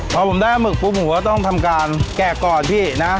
พอผมได้หมึกปุ๊บผมก็ต้องทำการแกะก่อนพี่นะ